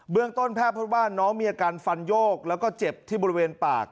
ต้นแพทย์พบว่าน้องมีอาการฟันโยกแล้วก็เจ็บที่บริเวณปาก